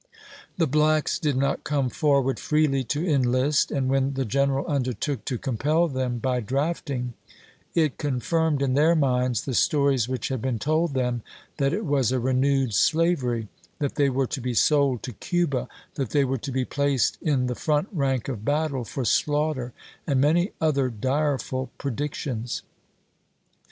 The blacks did not come forward freely to enlist, and when the general undertook to compel them by drafting, it confirmed in their minds the stories which had been told them that it was a renewed slavery ; that they were to be sold to Cuba ; that they were to be placed in the front rank of battle for slaughter, and many other direful predictions.